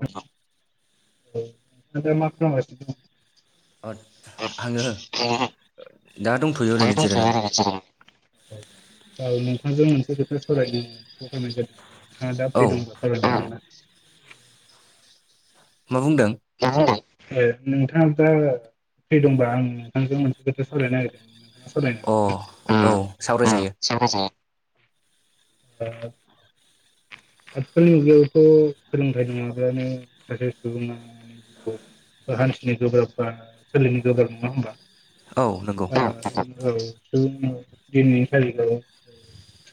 औ आदाया मा खालामगासिनो दं? अ आङो औ दा दंथ'यो ओरैनो नोंथांजों जिरायनानै नोंथांजों मोनसे खोथा सावरायनो कल औ खालामनाय जादों [unintelligible] मा बुंदों? ना? ए नोंथाङा दा फ्रि दंबा आं नोंथांजों मोनसे खोथा सावरायनो नागिरदोंमोन नोंथाङा सावरायनो अ हागोन ना? औ सावरायजायो [unintelligible] आथिखालनि मुगायावथ' सोलोंथाइ नङाब्लानो सासे सुबुङा जिआव हान्थिनो गोब्राब बा सोलिनो गोब्राब नङा औ नंगौ होमबा औ औ सुबुं दिनैनि थारिखाव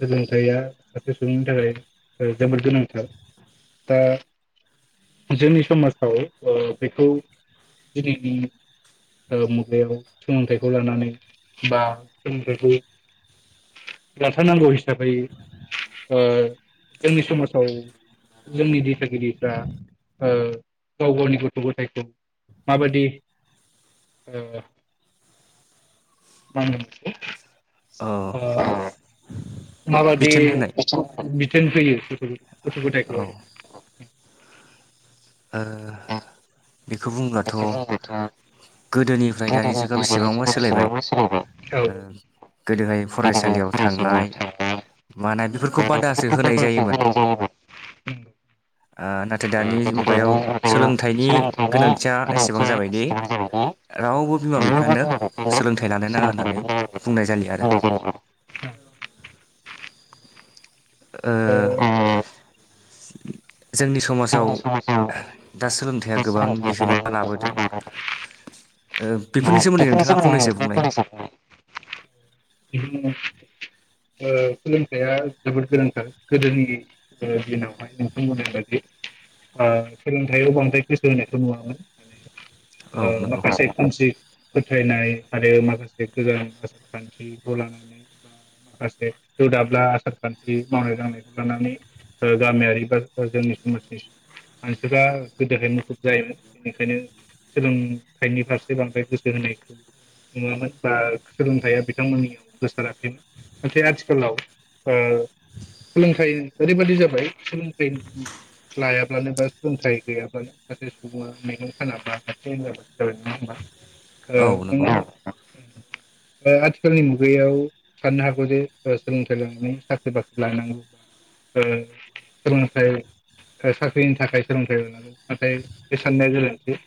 सोलोंथाइया सासे सुबुंनि थाखाय जोबोद गोनांथार दा जोंनि समाजाव ओ बेखौ दिनैनि ओ मुगायाव सोलोंथाइखौ लानानै बा सोलोंथाइखौ लाथारनांगौ हिसाबै ओ जोंनि समाजाव जोंनि दिथागिरिफ्रा ओ गाव गावनि गथ' गथायखौ माबादि ओ मा होनो बेखौ औ अ माबादि बिथोन होनाय बिथोन फैयो गथ' औ गथायखौ आरो ओ बेखौ बुंब्लाथ' जायगायाथ' गोदोनिफ्राय दानि जुगा गोदोनिफ्राय दानि बेसेबांबा जुगाव सोलायबाय एसेबां सोलायबाय औ ओ गोदोहाय गोदोनि फरायसालियाव थांनाय फरायसालियाव थांनाय मानाय बेफोरखौ बादासो होनाय बादायसो जायोमोन होनाय जायोमोन ओ आ ना नाथाय दानि नाथाय मुगायाव सोलोंथाइनि सोलोंथाइनि गोनांथिया एसेबां गोनांथिया जाबायदि एसेबां जाबाय दे रावबो बिमा रावबो बिफायानो बिमा बिफाया सोलोंथाइ लानो नाङा होननानै सोलोंथाइ लानो बुंनाय जालिया आरो नाङा होननानै बुंनाय जायो ओ [inaudible] जोंनि समाजाव जोंनि समाजाव दा सोलोंथाइया गोबां बिहोमा लाबोदों ओ सोमोन्दै बेफोरनि नोंथाङा सोमोनदै फंनैसो नोंथाङा बुंलाय फंनैसो बुंलाय [unintelligible] ओ सोलोंथाइया जोबोद गोनांथार गोदोनि ओ दिनावहाय नोंथां बुंनाय बादि आ सोलोंथायाइयाव बांद्राय गोसो होनायखौ नुवामोन औ माने ओ नंगौ माखासे फोथायनाय आरो माखासे गोजान आसार खान्थिखौ लानानै बा माखासे दौ दाब्ला आसार खान्थि मावनाय दांनायखौ लानानै ओ गामियारि बा जोंनि समाजनि मानसिफ्रा गोदोहाय मुखुब जायोमोन बेनिखायनो सोलोंथाइनि फारसे जे बांद्राय गोसो होनायखौ नुवामोन बा सोलोंथाइया बिथांमोननियाव गोसाराखैमोन नाथाय आथिखालाव ओ सोलोंथाइ ओरैबायदि जाबाय सोलोंथाइ लायाब्लानो बा सोलोंथाइ गैयाब्लानो सासे सुबुङा मेगन खानाबा [unintelligible] जाबाय नङा होमबा औ नंगौ [unintelligible] ओ आथिखालनि मुगायाव साननो हागौ जे ओ सोलोंथाइ लानानै साख्रि बाख्रि लानांगौ बा ओ सोलोंथाइ साख्रिनि थाखाय सोलोंथाइ लानांगौ नाथाय बे साननाया गोन्थि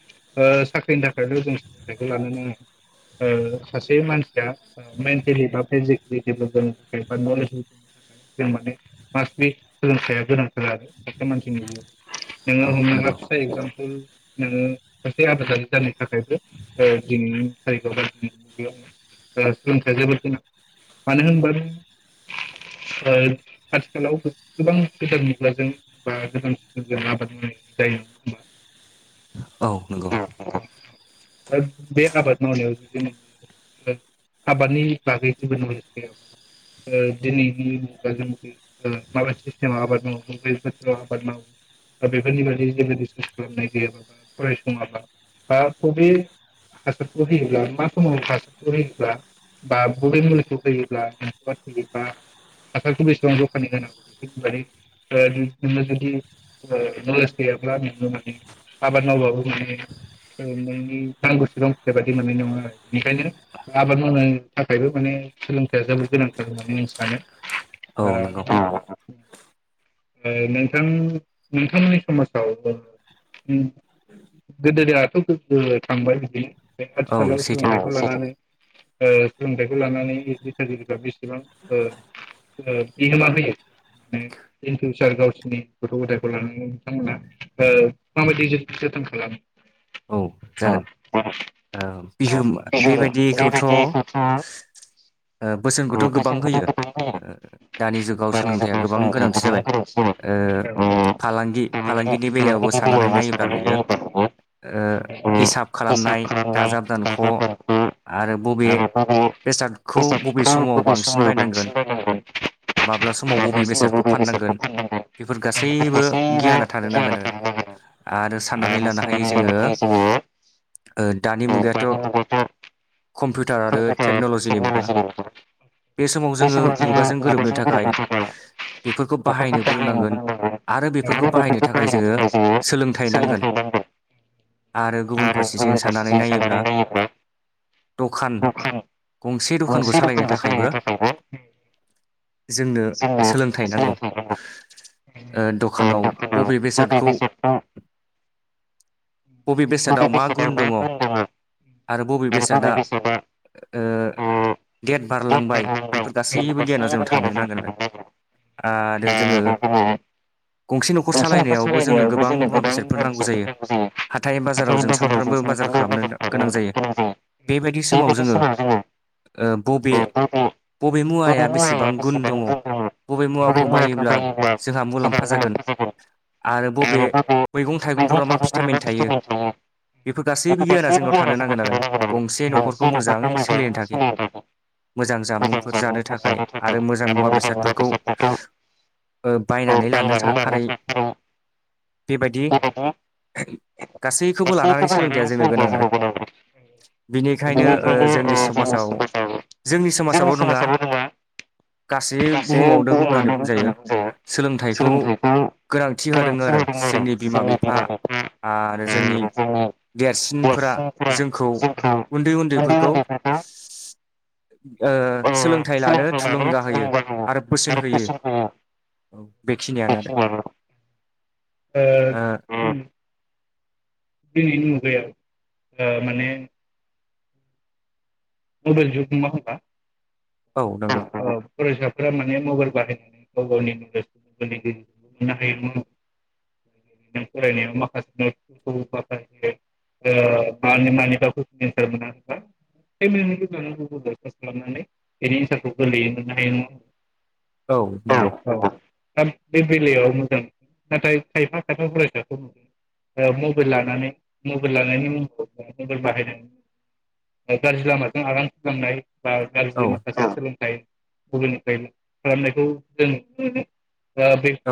ओ साख्रिनि थाखायल' जों सोलोंथाइखौ लानो नाङा सासे मानसिया ओ मेन्टेलि बा फिजिकेलि डेब्लप जानो थाखाय बा [unintelligible] थाखाय जों माने मासलि सोलोंथाइया गोनांथार आरो सासे मानसिनि जि नोङो औ हमना नंगौ ला [unintelligible] नोङो सासे आबादारि जानो थाखायबो दिनैनि थारिखआव बा दिनैनि मुगायाव ओ सोलोंथाइया जोबोद गोनां मानो होनबा नों ओ आथिखालाव गोबां गोदान मुगाजों बा गोजानजों आबाद मावनाय जायो नङा होमबा। औ नंगौ। दा बे आबाद मावनायाव जुदि नोङो आबादनि बागै जेबो नलेज गैयाबा ओ दिनैनि मुगाजों माबा सिस्टेमाव आबाद मावो बबे बोथोराव आबाद मावो बेफोरनि बाददि जेबो रिसार्च खालामनाय गैयाबा बा फरायसङाबा बा बबे हासारखौ होयोब्ला मा समाव हासारखौ होयोब्ला बा बबे मुलिखौ होयोब्ला नोंखौबा थैयोबा हासारखौ बेसेबां जखानि होनांगौ बेखौ माने नोङो जुदि नलेज गैयाब्ला नों माने आबाद मावबाबो माने नोंनि [unintelligible] बायदि मोननाय नङा आरो बेनिखायनो आबाद मावनो थाखायबो माने सोलोंथाइया जोबोर गोनांथार होननानै आं सानो औ नंगौ ओ [unintelligible] ओ नोंथां नोंथांमोननि समाजाव गोदोनिथ' थांबाय औ आथिखालाव सैथो सोलोंथाइखौ लानानै ओ सोलोंथाइखौ लानानै [unintelligible] ओ बेसेबां ओ बिहोमा होयो माने इन फिउसार गावसिोरनि गथ' गथायखौ लानानै बिथांमोना ओ माबायदि जोथोन खालामो औ जागोन ओ बिहोमा बेबायदिखौथ' ओ बोसोनखौथ' गोबां होयो ओ दानि जुगाव सोलोंथाइया गोबां गोनांथि जाबाय ओ फालांगि फालांगिनि बेलायावबो साननानै नायोब्ला नुयो ओ हिसाब खालामनाय दाजाब दानख' आरो बबे बेसादखौ बबे समाव बांसिन बायनांगोन माब्ला समाव बबे बेसादखौ फाननांगोन बेफोर गासैबो गियाना थानो नांगोन आरो आरो साननानै लानो हायो जोङो। [unintelligible] ओ दानि मुगायाथ' कम्पिउटार आरो टेक्नलजिनि मुगा बे समाव जोङो मुगाजों गोरोबनो थाखाय बेफोरखौ बाहायनोबो रोंनांगोन आरो बेफोरखौ बाहायनो थाखाय जोङो सोलोंथाइ नांगोन। आरो गुबुन फारसे जें सानानै नायोब्ला दखान गंसे दखानखौ सालायनो थाखायबो जोंनो सोलोंथाइ नांगौ दखानाव बबे बेसादखौ अबे बेसाद बबे बेसादा मा गुन दङ आरो बबे बेसादा ओ देत बारलांबाय बेफोर गासैबो गियाना जोंनो थानो नांगोन आरो। आरो जोङो गंसे न'खर सालायनायावबो जोंनो गोबां मुवा बेसादफोर नांगौ जायो हाथाय बाजाराव। गेजेराव जों सानफ्रामबो बाजार सानफ्रोमबो खालामनो गेजेर गोनां जायो बेबायदि बेबायदि समाव जोङो ओ बबे बबे मुवाया बेसे बेसेबां गुन दङ बबे मुवाखौ बायोब्ला जोंहा मुलाम्फा जागोन आरो बबे मैगं थाइगंफोराव मा भिटामिन थायो बेफोर गासैबो गियाना जोंनाव थानो नांगोन आरो गंसे न'खरखौ मोजाङै सोलिनो थाखाय मोजां जामुंफोर जानो थाखाय आरो मोजां मुवा बेसादफोरखौ बायनानै लानो थाखाय आरो बेबायदि गासै बेखौबो लानानै गासैखौबो सोलोंथाइया जोंनो गोनां आरो जोंनाव गोनांथार बिनिखायनो बेनिखायनो जोंनि ओ समाजाव समाजाबो जोंनि समाजावल' नङा गासै बुहुमावनो बुं होननानै बुंजायो सोलोंथाइखौ गोनांथि होदों आरो जोंनि बिमा बिफा आरो जोंनि देरसिनफोरा जोंखौ उन्दै उन्दैफोरखौ ओ सोलोंथाइ लानो थुलुंगा होयो आरो बोसोन होयो बेखिनियानो आरो बिमा बिफाया। ओ दिनैनि मुगायाव ओ माने मबाइल जुग नङा होनबा औ नंगौ फिसाफ्रा माने मबाइल बाहायनानै गाव गावनि नलेजनि गेज फरायनायाव माखासे माखासे ओ मानि मानिबा कुइसन एनसार फोरखौ गोरलै मोननो हायो नङा होमबा औ नंगौ बे बेलायाव मोजां नाथाय खायफा खायफा फरायसाखौ नुदों मबाइल लानानै मबाइल लानायनि मुङाव मबाइल बाहायनानै गाज्रि लामाजों आगान फोलांनाय बा औ गाज्रि माखासे सोलोंथाइ गुबुननिफ्राय खालामनायखौ जों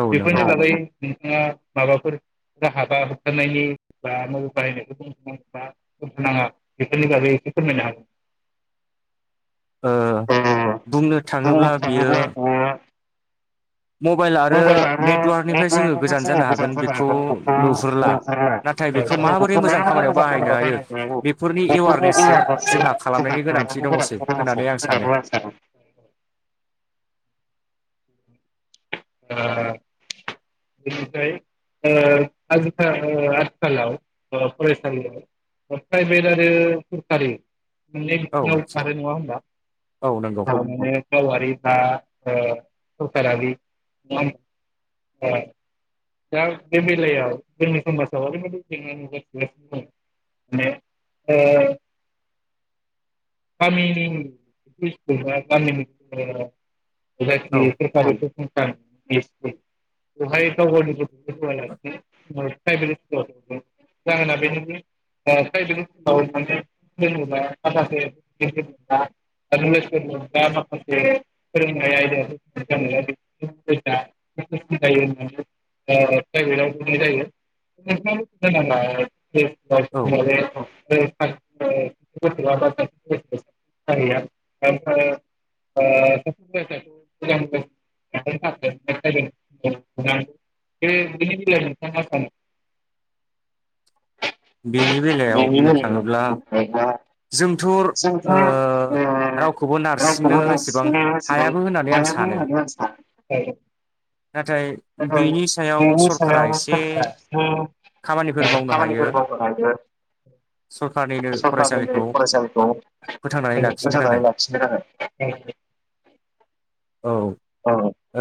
औ नंगौ बागै नोंथाङा माबाफोर राहा बा होबथानायनि बा मबाइल बाहायनायखौ [unintelligible] बा होथ' नाङा बेफोरनि बागै एसे फोरमायनो हागोन ओ बुंनो थाङोब्ला बियो मबाइल आरो मबाइलानो नेटवार्कनिफ्राय जोङो गोजान नेटवार्कनिफ्राय जानो हागोन जोङो गोजान बेखौ जानो हागोन नुहुरला नाथाय बेखौ नुहुरो नाथाय माबोरै मोजां माबायदि खामानियाव खालामना बाहायनो हायो बेफोरनि एवारनेससो जोंहा खालामनायनि गोनांथि दङसै होननानै आं सानो ओ बेनिफ्राय ओ आजिखा ओ आथिखालाव फरायसालियाव प्राइभेट आरो सरखारि मोननै औ बिथिंआव खारो नङा होनबा औ नंगौ गावारि बा ओ सखारारि नङ दा बे बेलायाव जोंनि समाजाव ओरैबायदि जेंना नुजाथिगासिनो माने ओ गामिनि गाम औ [unintelligible] [unintelligible] [unintelligible] [unintelligible] होननानै प्राइभेटाव होनाय औ जायो नामा द म [unintelligible] [unintelligible] बेनि बेलायाव बुंनो थाङोब्ला [unintelligible] जोंथ' ओ जोंहा ओ रावखौबो रावखौबो नारसिननो एसेबां नारसिननो एसेबां हायाबो होननानै आं हाया सानो होननानै नाथाय बिनि सायाव सरकारा [unintelligible] एसे खामानिफोर मावनो हायो फरायसालिखौ सरखारनिनो फरायसालिखौ फोथांनानै फोथांनानै लाखिनो थाखाय औ लाखिनो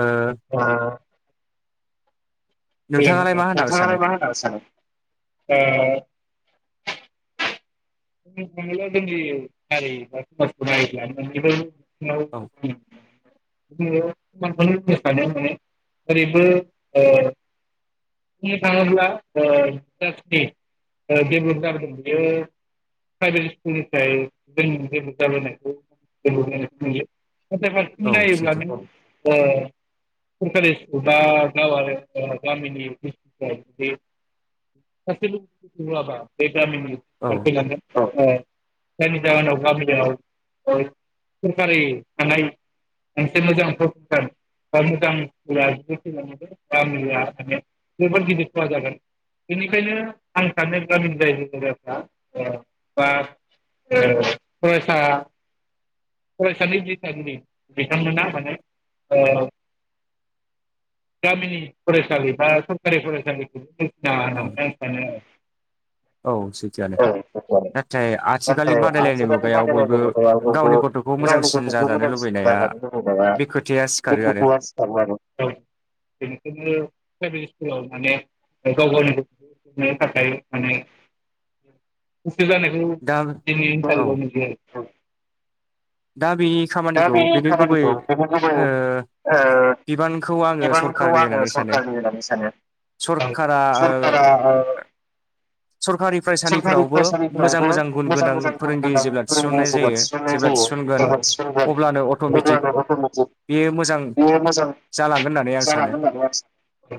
ओ अ मा होननानै सानो नोंथाङालाय मा होनना साननो ओ औ [unintelligible] [unintelligible] [unintelligible] प्राइभेट स्कुलनिफ्राय जोंनि [unintelligible] नाथाय फारसेथिं औ नायोब्ला सैथो ओ सरकारि स्कुल बा [unintelligible] औ [unintelligible] थैलांगोन। [unintelligible] रायजो राजाफ्रा बा ओ फरायसा फरायसानि दिथागिरि बिथांमोना माने ओ गामिनि फरायसालि बा सरखारि फरायसालिखौबो औ [unintelligible] औ नाथाय सैथोआनो नाथाय आजेनि आथिखालनि बादायलायनाय मुगायाव बादायनांगौब्लाथाय बयबो गावनि गथ'खौ [unintelligible] मोजांसिन जाजानो लुबैनाया खालामो बे खोथाया आरो सिखारो आरो औ बेनिखायनो प्राइभेट स्कुलाव माने गाव गावनि गथखौ औ थाखाय माने गोसो जानायखौ दा दिनै औ थारिखाव नुयो आरो। दा बेनि दा खामानिखौ बे बेनि गुबै खामानिखौ बेनि गुबै ओ बिबानखौ आङो बिबानखौ सरखारनि आङो होननानै सानो सरखारनि होननानै सानो औ सरकारा ओ सरकारा सरकारि सरकारि फरायसालिफोरावबो मोजां फरायसालिफोरावबो मोजां गुन गोनां मोजां फोरोंगिरि जेब्ला थिसननाय जायो जेब्ला [unintelligible] थिसनगोन बे अब्लानो अट'मेटिक बेयो मोजां मोजां जालांगोन होननानै आं सानो जानानै दोन आरो दा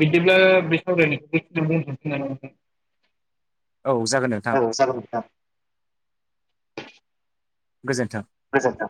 बिदिब्ला [unintelligible] औ जागोन औ नोंथां जागोन नोंथां गोजोन्थों। गोजोनथों।